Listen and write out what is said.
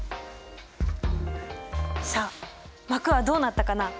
さあ膜はどうなったかな？